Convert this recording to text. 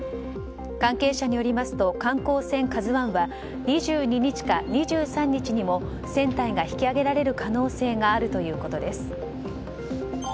関係者によりますと観光船「ＫＡＺＵ１」は２２日から２３日にも船体が引き揚げられる可能性があるということです。